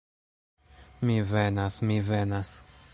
Mi venas, mi venas!